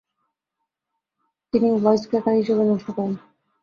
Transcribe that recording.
তিনি "ওয়াইজক্র্যাকার" হিসেবে নষ্ট করেন।